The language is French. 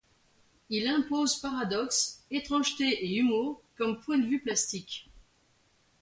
Il impose paradoxe, étrangeté et humour comme point de vue plastique.